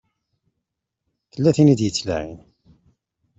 Tella tin i d-ittlaɛin.